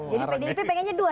jadi pdip pengennya dua